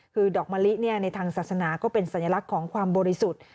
คือดอกมะลิในทางศาสนาก็เป็นสัญลักษณ์ของความบริสุทธิ์